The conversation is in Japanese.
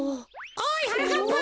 おいはなかっぱ！